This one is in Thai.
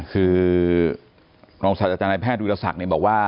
คือรองศาสตราจารยแพทย์วิทยาศักดิ์บอกว่า